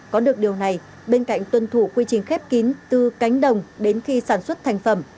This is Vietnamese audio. có được điều này bên cạnh tuân thủ quy trình khép kín từ cánh đồng đến khi sản xuất thành phẩm